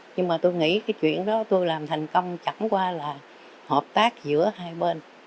nhưng mà tôi nghĩ cái chuyện đó tôi làm thành công chẳng qua là hợp tác giữa hai bên